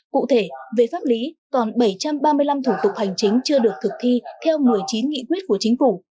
cụ thể về pháp lý còn bảy trăm ba mươi năm thủ tục hành chính chưa được thực thi theo một mươi chín nghị quyết của chính phủ